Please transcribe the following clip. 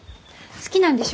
好きなんでしょ？